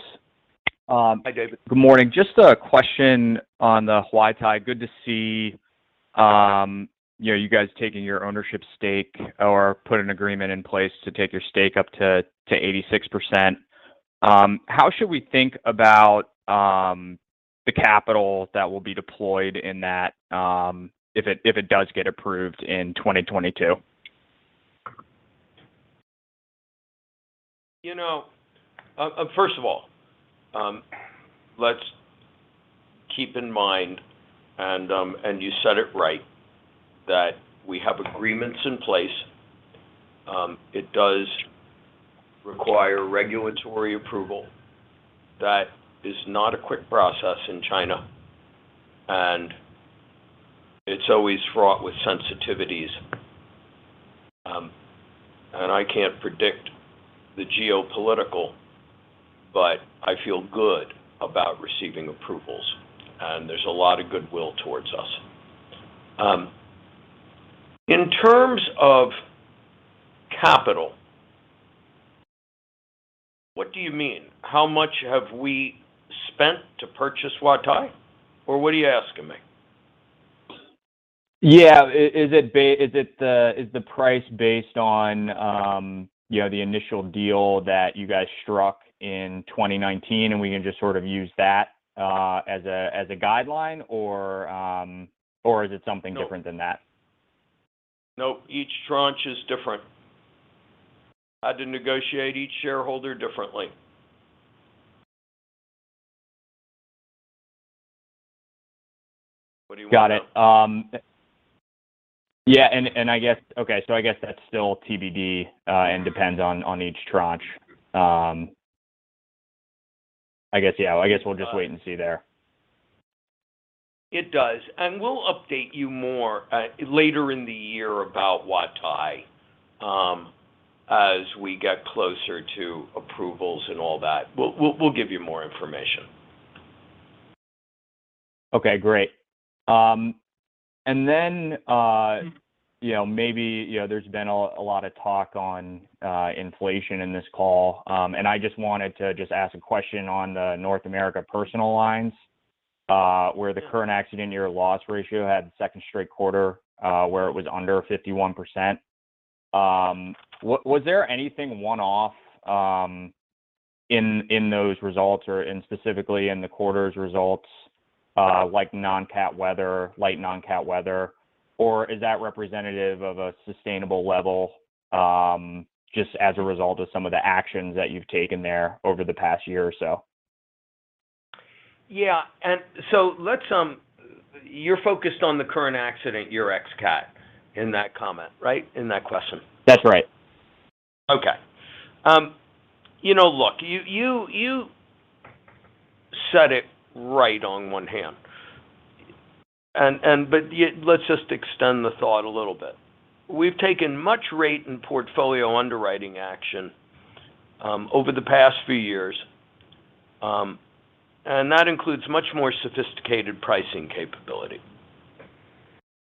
C: Hi, David.
K: Good morning. Just a question on the Huatai. Good to see, you guys taking your ownership stake or put an agreement in place to take your stake up to 86%. How should we think about the capital that will be deployed in that, if it does get approved in 2022?
C: First of all, let's keep in mind, and you said it right, that we have agreements in place. It does require regulatory approval. That is not a quick process in China, and it's always fraught with sensitivities. I can't predict the geopolitical, but I feel good about receiving approvals, and there's a lot of goodwill towards us. In terms of capital, what do you mean? How much have we spent to purchase Huatai, or what are you asking me?
K: Yeah. Is the price based on, the initial deal that you guys struck in 2019, and we can just sort of use that as a guideline or is it something different than that?
C: No. Each tranche is different. I had to negotiate each shareholder differently. What do you want to know?
K: Got it. Yeah, and I guess that's still TBD and depends on each tranche. I guess, yeah, I guess we'll just wait and see there.
C: It does. We'll update you more later in the year about Huatai as we get closer to approvals and all that. We'll give you more information.
K: Okay, great. Maybe, there's been a lot of talk on inflation in this call. I just wanted to ask a question on the North America personal lines, where the current accident year loss ratio had second straight quarter, where it was under 51%. Was there anything one-off, in those results or specifically in the quarter's results, like non-cat weather, light non-cat weather? Or is that representative of a sustainable level, just as a result of some of the actions that you've taken there over the past year or so?
C: Yeah. You're focused on the current accident year ex cat in that comment, right? In that question?
K: That's right.
C: Okay. Look, you said it right on one hand. Let's just extend the thought a little bit. We've taken much rate and portfolio underwriting action over the past few years, and that includes much more sophisticated pricing capability.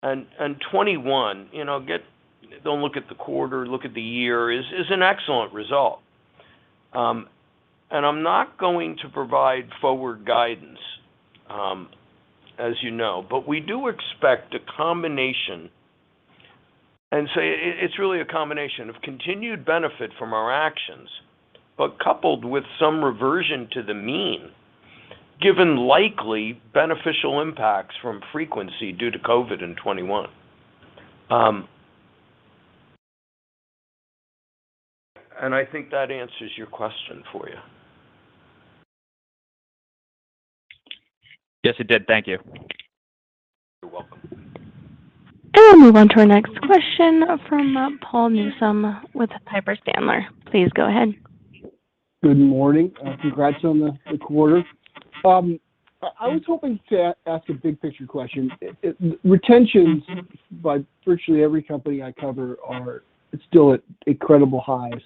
C: 2021, you know, don't look at the quarter, look at the year, is an excellent result. I'm not going to provide forward guidance, as you know. We do expect a combination of continued benefit from our actions, but coupled with some reversion to the mean, given likely beneficial impacts from frequency due to COVID in 2021. I think that answers your question for you.
K: Yes, it did. Thank you.
C: You're welcome.
A: We'll move on to our next question from Paul Newsome with Piper Sandler. Please go ahead.
L: Good morning. Congrats on the quarter. I was hoping to ask a big picture question. Retentions by virtually every company I cover are still at incredible highs,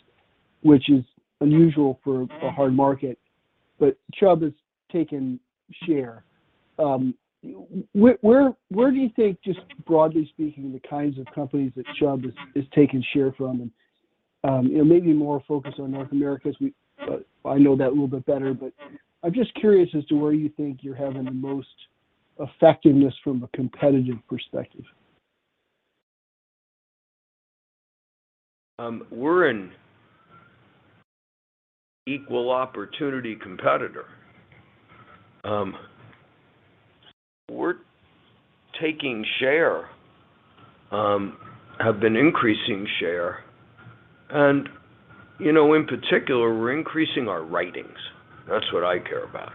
L: which is unusual for a hard market. Chubb has taken share. Where do you think, just broadly speaking, the kinds of companies that Chubb is taking share from? It may be more focused on North America as I know that a little bit better, but I'm just curious as to where you think you're having the most effectiveness from a competitive perspective.
C: We're an equal opportunity competitor. We're taking share, have been increasing share, and in particular we're increasing our writings. That's what I care about.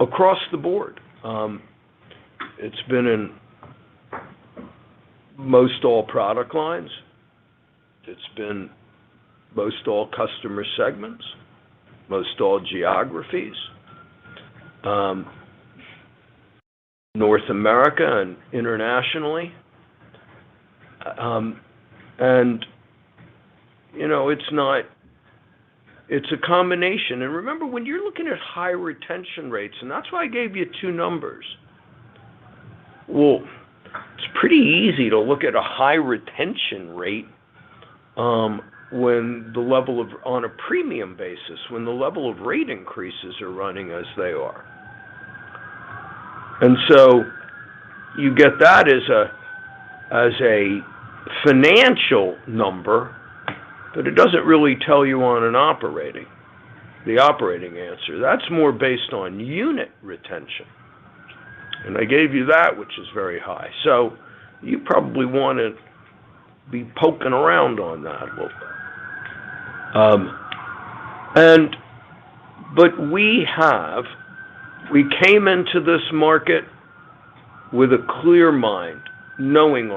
C: Across the board, it's been in most all product lines. It's been most all customer segments, most all geographies, North America and internationally. It's a combination. Remember when you're looking at high retention rates, and that's why I gave you two numbers, well it's pretty easy to look at a high retention rate, when the level of rate increases on a premium basis are running as they are. You get that as a, as a financial number, but it doesn't really tell you on an operating, the operating answer. That's more based on unit retention. I gave you that, which is very high. You probably want to be poking around on that a little bit. We came into this market with a clear mind, knowing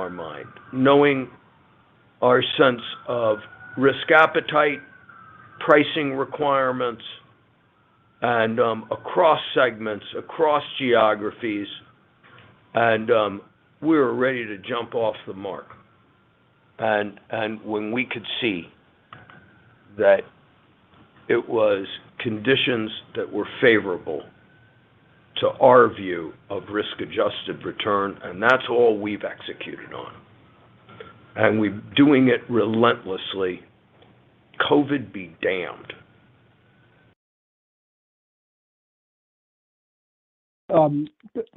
C: our sense of risk appetite, pricing requirements, and across segments, across geographies. We were ready to jump off the mark. When we could see that it was conditions that were favorable to our view of risk-adjusted return, that's all we've executed on. We're doing it relentlessly, COVID be damned.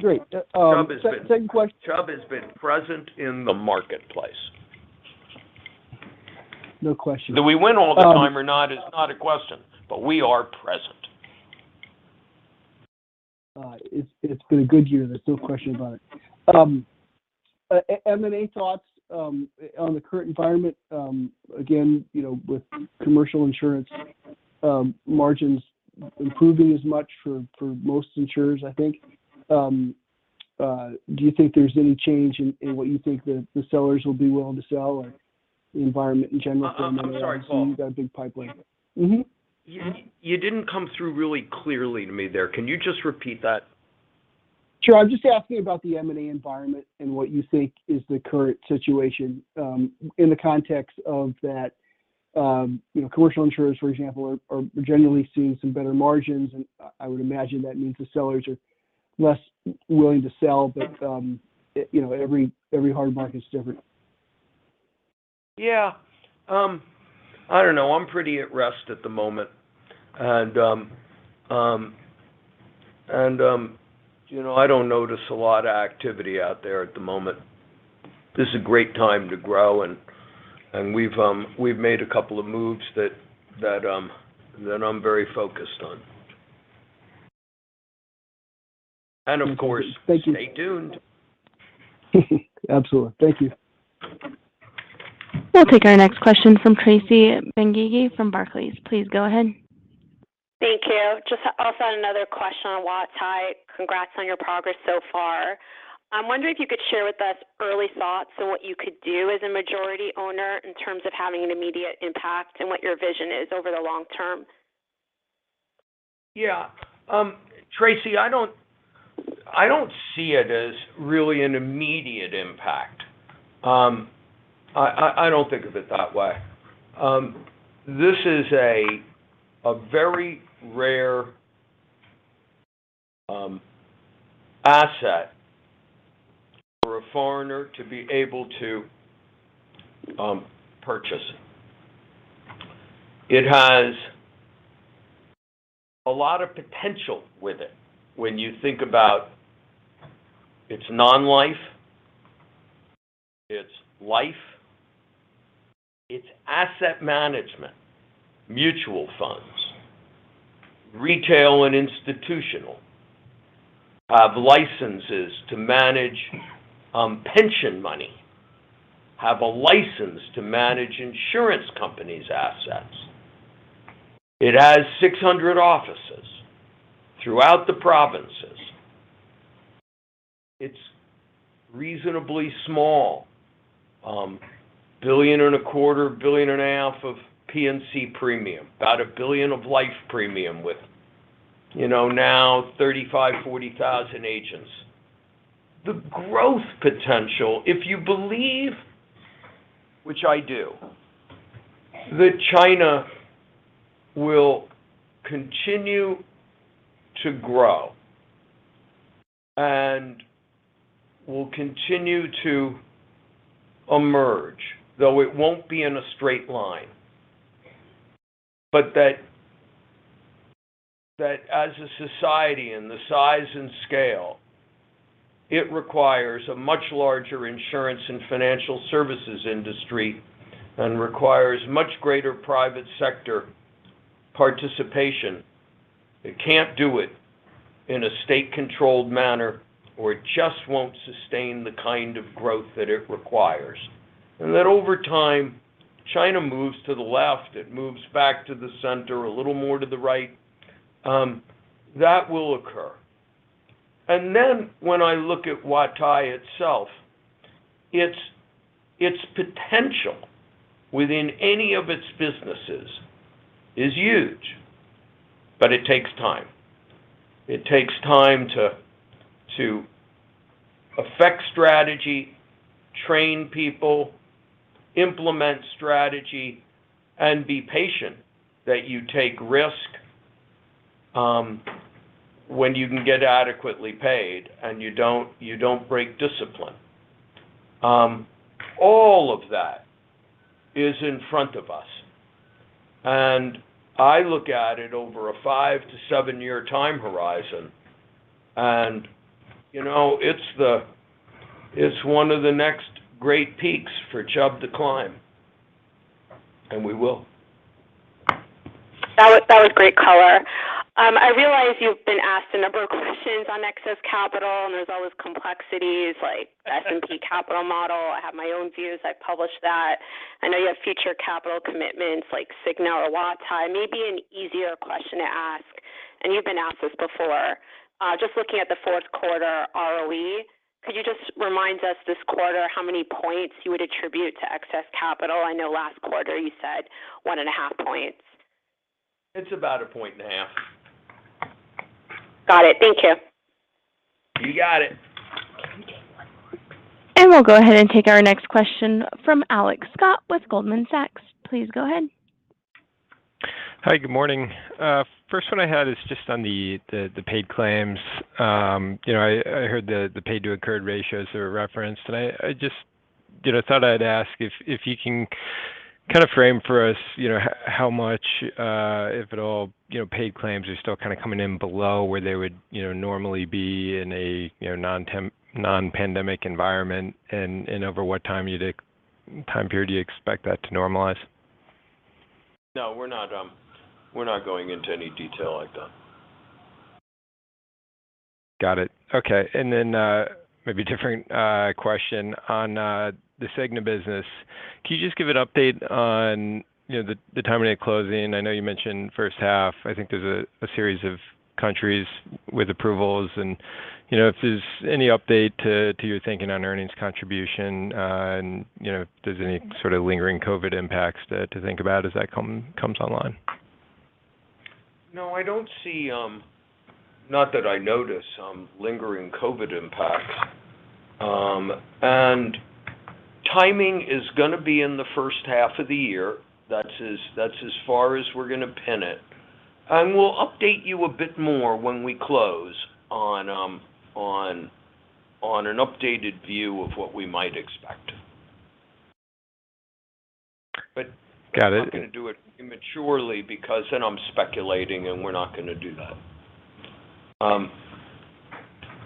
L: Great. Second question.
C: Chubb has been present in the marketplace.
L: No question.
C: That we win all the time or not is not a question, but we are present.
L: It's been a good year. There's no question about it. M&A thoughts on the current environment, again with commercial insurance margins improving as much for most insurers, I think. Do you think there's any change in what you think the sellers will be willing to sell or the environment in general?
C: I'm sorry, Paul.
L: You've got a big pipeline.
C: You didn't come through really clearly to me there. Can you just repeat that?
L: Sure. I was just asking about the M&A environment and what you think is the current situation in the context of that, commercial insurers for example are generally seeing some better margins. I would imagine that means the sellers are less willing to sell. Every hard market is different.
C: Yeah. I don't know. I'm pretty at rest at the moment. I don't notice a lot of activity out there at the moment. This is a great time to grow, and we've made a couple of moves that I'm very focused on. Of course.
L: Thank you.
C: Stay tuned.
L: Absolutely. Thank you.
A: We'll take our next question from Tracy Benguigui from Barclays. Please go ahead.
M: Thank you. Just also had another question on Huatai. Congrats on your progress so far. I'm wondering if you could share with us early thoughts on what you could do as a majority owner in terms of having an immediate impact and what your vision is over the long-term.
C: Yeah. Tracy, I don't see it as really an immediate impact. I don't think of it that way. This is a very rare asset for a foreigner to be able to purchase. It has a lot of potential with it when you think about it's non-life, it's life, it's asset management, mutual funds, retail and institutional, have licenses to manage pension money, have a license to manage insurance companies' assets, I\it has 600 offices throughout the provinces. it's reasonably small, $1.25 billion-$1.5 billion of P&C premium, about $1 billion of life premium with, now 35,000-40,000 agents. The growth potential, if you believe, which I do, that China will continue to grow and will continue to emerge, though it won't be in a straight line. That as a society and the size and scale, it requires a much larger insurance and financial services industry and requires much greater private sector participation. It can't do it in a state-controlled manner, or it just won't sustain the kind of growth that it requires. That over time, China moves to the left, it moves back to the center, a little more to the right, that will occur. When I look at Huatai itself, its potential within any of its businesses is huge, but it takes time. It takes time to affect strategy, train people, implement strategy, and be patient that you take risk, when you can get adequately paid and you don't break discipline. All of that is in front of us, and I look at it over a five-seven-year time horizon, and you know, it's one of the next great peaks for Chubb to climb, and we will.
M: That was great color. I realize you've been asked a number of questions on excess capital, and there's always complexities like S&P capital model. I have my own views. I published that. I know you have future capital commitments like Cigna or Huatai. Maybe an easier question to ask, and you've been asked this before. Just looking at the fourth quarter ROE, could you just remind us this quarter how many points you would attribute to excess capital? I know last quarter you said 1.5 points.
C: It's about 1.5 points.
M: Got it. Thank you.
C: You got it.
A: We'll go ahead and take our next question from Alex Scott with Goldman Sachs. Please go ahead.
N: Hi. Good morning. First one I had is just on the paid claims. I heard the paid to incurred ratios are referenced today. I just, you know, thought I'd ask if you can kind of frame for us how much, if at all, you know, paid claims are still kind of coming in below where they would normally be in a non-pandemic environment and over what time period you expect that to normalize?
C: No, we're not going into any detail like that.
N: Got it. Okay. Maybe different question on the Cigna business. Can you just give an update on the timing of closing? I know you mentioned first half. I think there's a series of countries with approvals and if there's any update to your thinking on earnings contribution, and if there's any sort of lingering COVID impacts to think about as that comes online.
C: No, I don't see, not that I notice, lingering COVID impacts. Timing is gonna be in the first half of the year. That's as far as we're gonna pin it. We'll update you a bit more when we close on an updated view of what we might expect.
N: Got it.
C: I'm not gonna do it immaturely because then I'm speculating, and we're not gonna do that.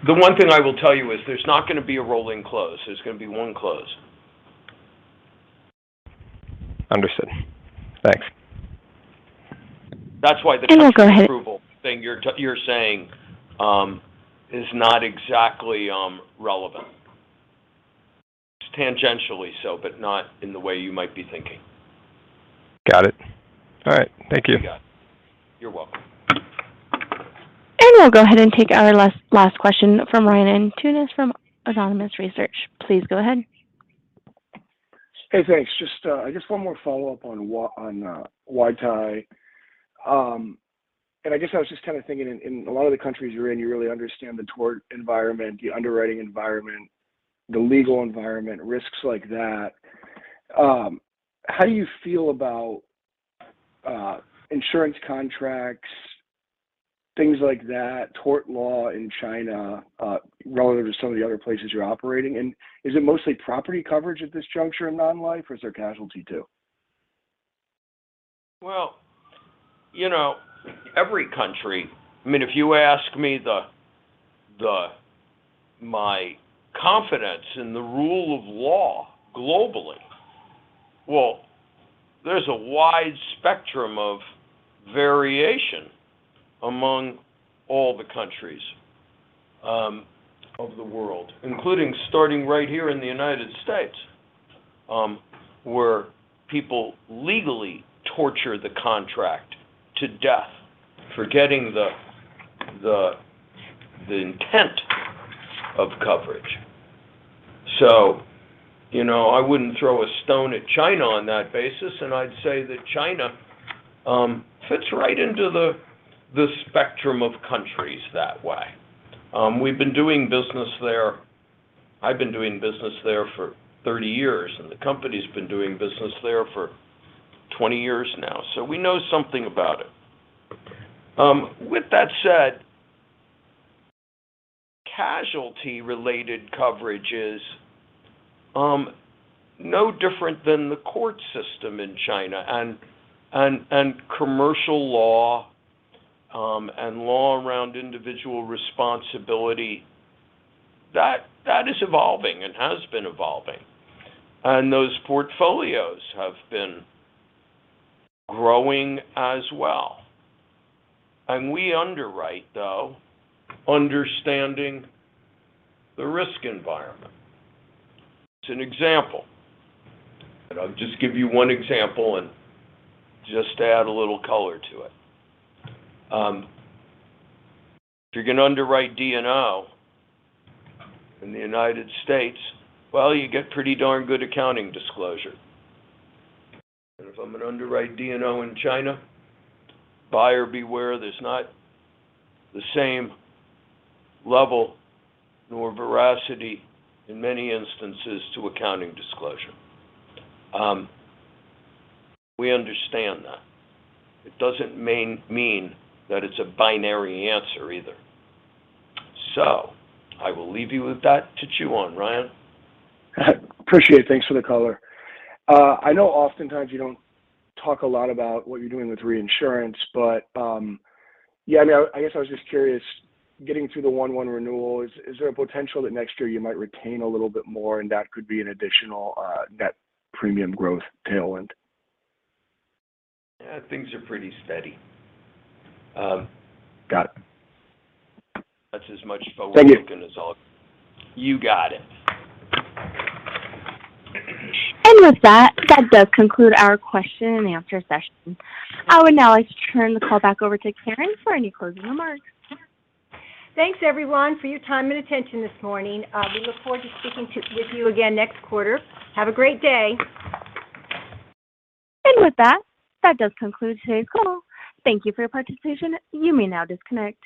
C: The one thing I will tell you is there's not gonna be a rolling close. There's gonna be one close.
N: Understood. Thanks.
C: That's why.
A: We'll go ahead.
C: Approval thing you're saying is not exactly relevant. Just tangentially so, but not in the way you might be thinking.
N: Got it. All right. Thank you.
C: You got it. You're welcome.
A: We'll go ahead and take our last question from Ryan Tunis from Autonomous Research. Please go ahead.
O: Hey, thanks. Just, I guess one more follow-up on Huatai. I guess I was just kind of thinking in a lot of the countries you're in, you really understand the tort environment, the underwriting environment, the legal environment, risks like that. How do you feel about insurance contracts, things like that tort law in China, relative to some of the other places you're operating in? Is it mostly property coverage at this juncture in non-life, or is there casualty too?
C: Well, you know, every country. I mean, if you ask me my confidence in the rule of law globally, well, there's a wide spectrum of variation among all the countries of the world, including starting right here in the United States, where people legally torture the contract to death, forgetting the intent of coverage. I wouldn't throw a stone at China on that basis, and I'd say that China fits right into the spectrum of countries that way. We've been doing business there. I've been doing business there for 30 years, and the company's been doing business there for 20 years now, so we know something about it. With that said, casualty-related coverage is no different than the court system in China and commercial law and law around individual responsibility. That is evolving and has been evolving. Those portfolios have been growing as well. We underwrite, though, understanding the risk environment. As an example, I'll just give you one example and just add a little color to it. If you're gonna underwrite D&O in the United States, well, you get pretty darn good accounting disclosure. If I'm gonna underwrite D&O in China, buyer beware, there's not the same level nor veracity in many instances to accounting disclosure. We understand that. It doesn't mean that it's a binary answer either. I will leave you with that to chew on, Ryan.
O: Appreciate it. Thanks for the color. I know often times you don't talk a lot about what you're doing with reinsurance, but, yeah, no, I guess I was just curious, getting through the 1-1 renewal, is there a potential that next year you might retain a little bit more and that could be an additional, net premium growth tailwind?
C: Yeah, things are pretty steady.
O: Got it.
C: That's as much forward-looking as I'll.
O: Thank you.
C: You got it.
A: With that does conclude our question-and-answer session. I would now like to turn the call back over to Karen for any closing remarks.
B: Thanks, everyone, for your time and attention this morning. We look forward to speaking with you again next quarter. Have a great day.
A: With that does conclude today's call. Thank you for your participation. You may now disconnect.